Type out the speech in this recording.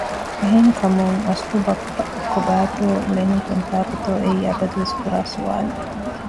އެހެންކަމުން އަސްލު ބައްޕަ ކޮބައިތޯ އުޅެނީ ކޮންތާކުތޯ އެއީ އަބަދުވެސް ކުރާސުވާލެއް